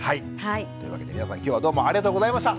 というわけで皆さん今日はどうもありがとうございました。